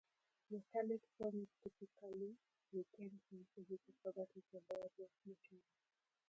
Metallic foams typically retain some physical properties of their base material.